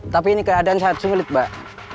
tapi ini keadaan sangat sulit mbak